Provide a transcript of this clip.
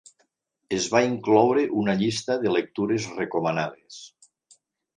Es va incloure una llista de lectures recomanades.